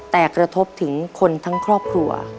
แต่กระทบถึงคนทั้งครอบครัว